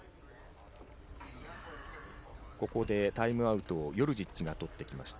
ここでタイムアウトをヨルジッチが取ってきました。